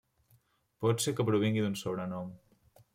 Pot ser que provingui d'un sobrenom.